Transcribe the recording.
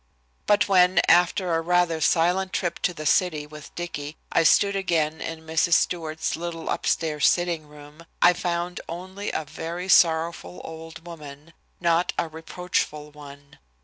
But when, after a rather silent trip to the city with Dicky, I stood again in Mrs. Stewart's little upstairs sitting room, I found only a very sorrowful old woman, not a reproachful one.